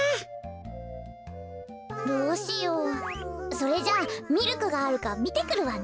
それじゃあミルクがあるかみてくるわね。